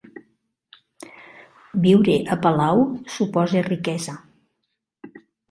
Viure a palau suposa riquesa.